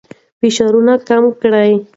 فشارونه کم کړئ.